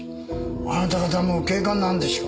あなた方も警官なんでしょう。